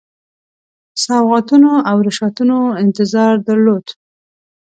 سوغاتونو او رشوتونو انتظار درلود.